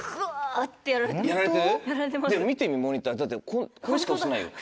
でも見てみモニターだってこれしか押してないよ。